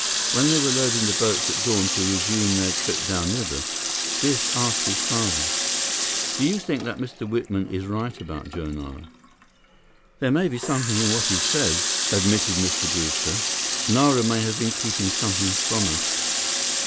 When they were loading the boats at dawn to resume their trip downriver, Biff asked his father: "Do you think that Mr. Whitman is right about Joe Nara?" "There may be something in what he says," admitted Mr. Brewster. "Nara may have been keeping something from us."